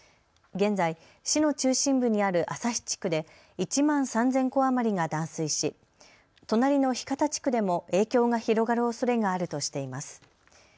現在、市の中心部にある旭地区で１万３０００戸余りが断水し隣の干潟地区でも影響が広がるおそれがあるとしています。